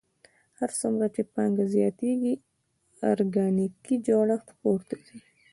هر څومره چې پانګه زیاتېږي ارګانیکي جوړښت پورته ځي